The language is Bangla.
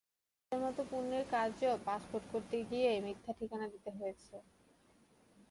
হজের মতো পুণ্য কাজেও পাসপোর্ট করতে গিয়ে মিথ্যা ঠিকানা দিতে হয়েছে।